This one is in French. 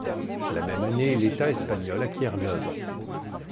La même année, l'État espagnol acquiert l'œuvre.